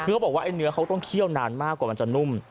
คือเขาบอกว่าไอ้เนื้อเขาต้องเคี่ยวนานมากกว่ามันจะนุ่ม